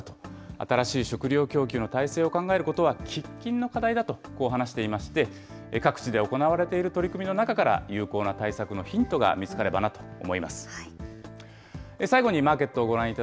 新しい食料供給の体制を考えることは、喫緊の課題だと、こう話していまして、各地で行われている取り組みの中から、有効な対策のヒントが見つかればなと思います。